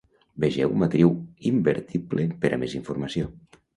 Vegeu matriu invertible per a més informació.